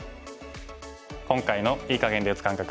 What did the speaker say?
今回の“いい”かげんで打つ感覚